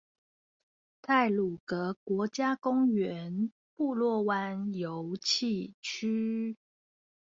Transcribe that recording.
太魯閣國家公園布洛灣遊憩區